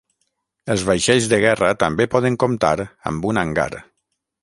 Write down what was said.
Els vaixells de guerra també poden comptar amb un hangar.